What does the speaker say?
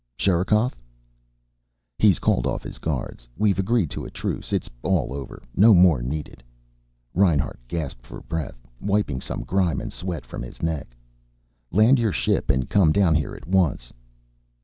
"Sherikov " "He's called off his guards. We've agreed to a truce. It's all over. No more needed." Reinhart gasped for breath, wiping grime and sweat from his neck. "Land your ship and come down here at once."